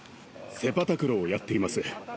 セパタクローをやっています。